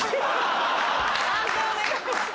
判定お願いします。